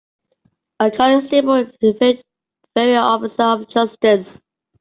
A constable an inferior officer of justice.